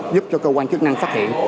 giúp cho cơ quan chức năng phát hiện